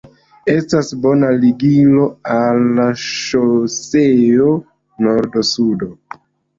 Estas bona ligilo al ŝoseo nordo-sudo.